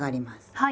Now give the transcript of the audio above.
はい。